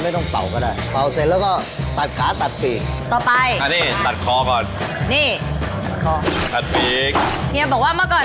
เดี๋ยวนี้ทำเวลา๒๐๐ตัวพอแล้ว